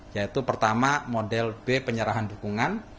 yaitu pertama model b penyerahan dukungan